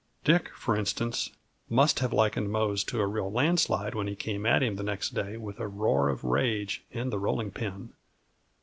Dick, for instance, must have likened Mose to a real landslide when he came at him the next day, with a roar of rage and the rolling pin.